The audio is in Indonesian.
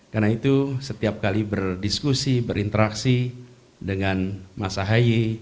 karena itu setiap kali berdiskusi berinteraksi dengan mas hayi